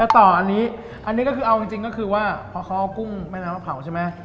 ต่ออันนี้ว่าของกุ้งแม่น้ำเผา